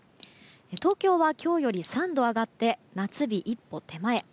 東京は今日より３度上がって夏日一歩手前。